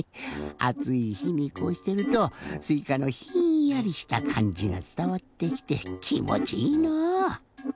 あついひにこうしてるとすいかのひんやりしたかんじがつたわってきてきもちいいなぁ！